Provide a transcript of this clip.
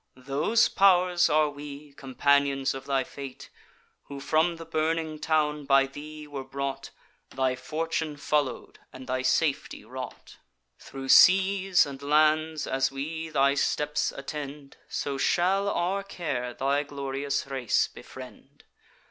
Those pow'rs are we, companions of thy fate, Who from the burning town by thee were brought, Thy fortune follow'd, and thy safety wrought. Thro' seas and lands as we thy steps attend, So shall our care thy glorious race befriend.